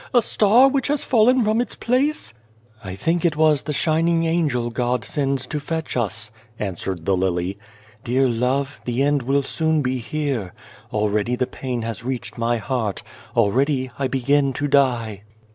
A star which has fallen from its place ?" 165 The Garden of God " I think it was the shining angel God sends to fetch us," answered the lily. " Dear love, the end will soon be here. Already the pain has reached my heart; already I begin to die."